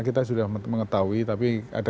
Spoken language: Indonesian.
kita sudah mengetahui tapi ada